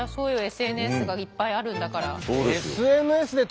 ＳＮＳがいっぱいあるんだから。